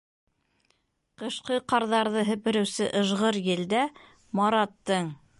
Ҡышҡы ҡарҙарҙы һепертеүсе ыжғыр елдә Мараттың: